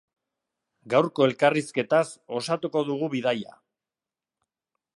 Gaurko elkarrizketaz osatuko dugu bidaia.